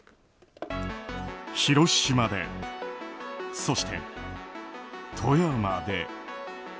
広島で、そして富山で。